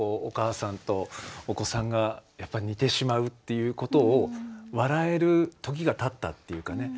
お母さんとお子さんが似てしまうっていうことを笑える時がたったっていうかね。